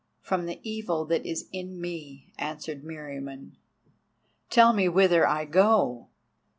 "From the evil that is in me," answered Meriamun. "Tell me whither I go."